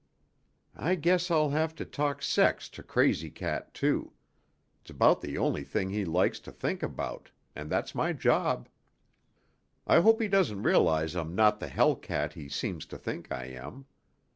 "I guess I'll have to talk sex to Crazy Cat, too. It's about the only thing he likes to think about, and that's my job. I hope he doesn't realize I'm not the hellcat he seems to think I am.